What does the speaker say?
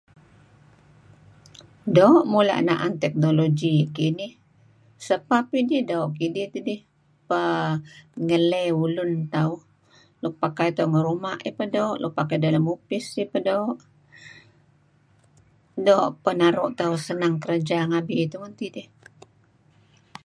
Doo' mula' na'an technology kinih. Sapeh pidih doo' kidih tidih peh ngeley ulun tauh. Luk pakai tauh ngi ruma' eh peh doo', luk pakai tauh ngi lem upis peh doo' , doo' peh naru' tauh senang kerja ngabi tungen tidih.